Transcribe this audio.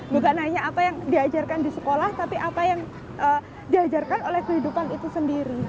bukan hanya apa yang diajarkan di sekolah tapi apa yang diajarkan oleh kehidupan itu sendiri